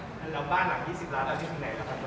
แล้วบ้านหลังที่๑๐ล้านแล้วที่ถึงไหนแล้วข้างล่าง